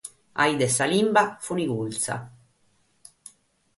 A sos de sa limba fune curtza.